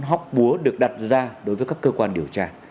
hóc búa được đặt ra đối với các cơ quan điều tra